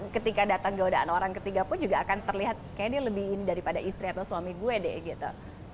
ketika datang godaan orang ketiga pun juga akan terlihat kayaknya dia lebih ini daripada istri atau suami gue deh gitu